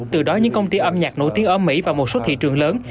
từ đó những công ty âm nhạc nổi tiếng ở mỹ và một số thị trường lớn